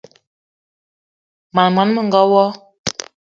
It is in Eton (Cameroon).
Mań món menga wo!